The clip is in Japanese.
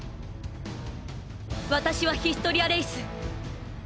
私はヒストリア・レイス。